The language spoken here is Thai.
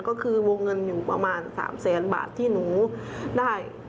ก็คือวงเงินอยู่ประมาณ๓แสนบาทที่หนูได้